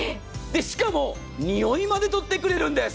しかもにおいまで取ってくれるんです。